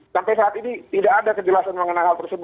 sampai saat ini tidak ada kejelasan mengenai hp